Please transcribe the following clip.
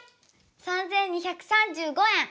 ３，２３５円。